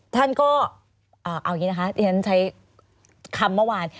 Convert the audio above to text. ท่านก็เอาอย่างนี้นะคะที่ฉันใช้คำเมื่อวาน